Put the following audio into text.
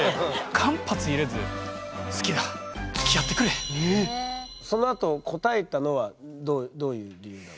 間髪入れずそのあと応えたのはどういう理由なんですか？